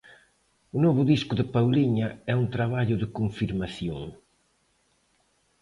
O novo disco de Pauliña é un traballo de confirmación.